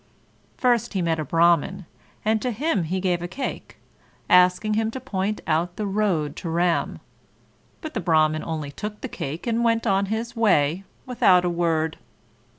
First he met a Brahman, and to him he gave a cake, asking him to point out the road to Ram; but the Brahman only took the cake, and went on his way without a word.